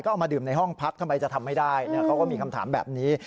เอามาดื่มในห้องพักทำไมจะทำให้ได้เขาก็มีคำถามแบบนี้